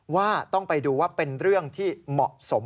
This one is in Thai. ว่าต้องไปดูว่าเป็นเรื่องที่เหมาะสม